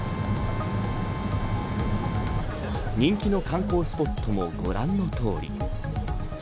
人気の観光スポットもご覧のとおり。